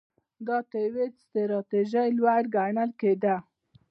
دا تر یوې ستراتیژۍ لوړ ګڼل کېده.